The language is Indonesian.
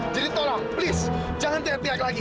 jadi tolong jangan dia dia lagi